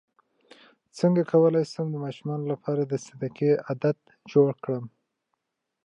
څنګه کولی شم د ماشومانو لپاره د صدقې عادت جوړ کړم